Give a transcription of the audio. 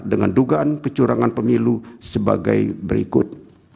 dengan dugaan kecurangan pemilu sebagai berikut